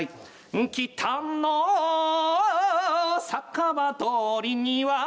「北の酒場通りには」